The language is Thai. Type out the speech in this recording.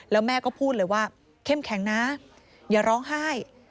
แล้วแม่ก็พูดเลยว่าเข้มแข็งนะอย่าร้องไห้